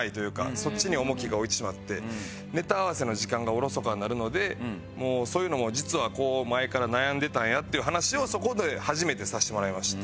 そっちに重きを置いてしまってネタ合わせの時間がおろそかになるのでそういうのも実は前から悩んでたんやっていう話をそこで初めてさせてもらいまして。